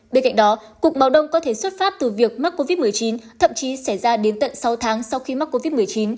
bên cạnh đó cục máu đông có thể xuất phát từ việc mắc covid một mươi chín thậm chí xảy ra đến tận sáu tháng sau khi mắc covid một mươi chín